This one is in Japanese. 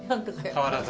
変わらず？